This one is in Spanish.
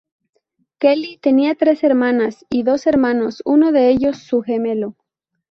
Kelly tenía tres hermanas y dos hermanos, uno de ellos su gemelo.